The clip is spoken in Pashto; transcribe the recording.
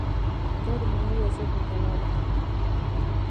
دا د معنوي وضعیت مطالعه ده.